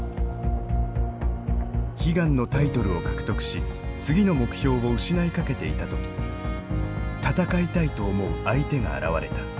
悲願のタイトルを獲得し次の目標を失いかけていた時戦いたいと思う相手が現れた。